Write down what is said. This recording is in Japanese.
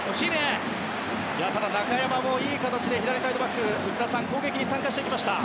ただ、中山もいい形で左サイドバックから攻撃に参加してきました。